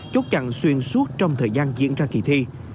chốt chặn xuyên suốt trong thời gian diễn ra kỳ thi